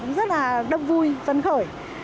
cũng rất là đâm vui phấn khởi